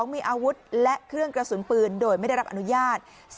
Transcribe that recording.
มีอาวุธและเครื่องกระสุนปืนโดยไม่ได้รับอนุญาต